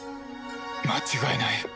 間違いない